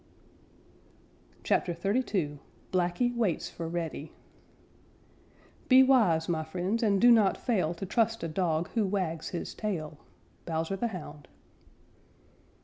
CHAPTER XXXII BLACKY WAITS FOR REDDY Be wise, my friends, and do not fail To trust a dog who wags his tail. _Bowser the Hound.